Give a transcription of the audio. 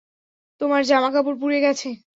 তোমার জামাকাপড় পুড়ে গেছে।